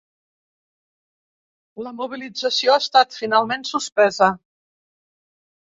La mobilització ha estat finalment suspesa.